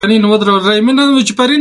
د ظلم پرېښودو ته راضي شي.